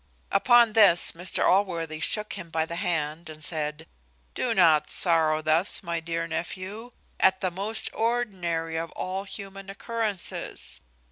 Upon this Mr Allworthy shook him by the hand, and said, "Do not sorrow thus, my dear nephew, at the most ordinary of all human occurrences.